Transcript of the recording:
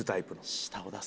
舌を出す。